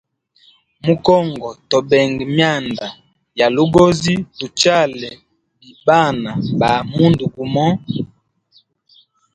Mu congo to benga myanda ya lugozi tu chale bi bana ba mundu gumo.